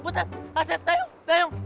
butet kaset dayung dayung